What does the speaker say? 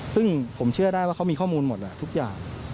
ซึ่งผมเชื่อได้ว่าเขามีข้อมูลหมดแหละทุกอย่าง